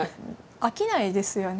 飽きないですよね。